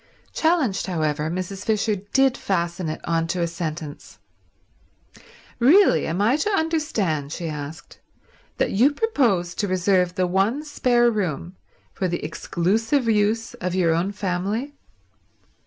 Challenged, however, Mrs. Fisher did fasten it on to a sentence. "Really am I to understand," she asked, "that you propose to reserve the one spare room for the exclusive use of your own family?"